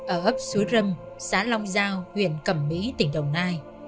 ở ấp suối râm xã long giao huyện cẩm mỹ tỉnh đồng nai